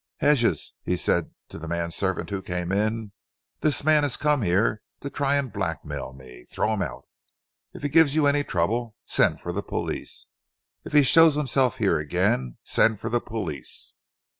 'Hedges,' he said to the manservant who came in, 'this man has come here to try and blackmail me. Throw him out. If he gives any trouble, send for the police. If he shows himself here again, send for the police."'